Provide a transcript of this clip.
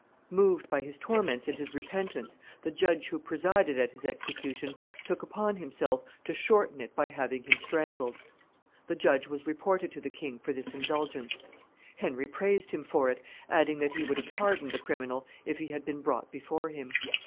Moved by his torments and his repentance, the judge who presided at his execution took upon himself to shorten it by having him strangled. The judge was reported to the king for this indulgence. Henry praised him for it, adding that he would have pardoned the criminal if he had been brought before him.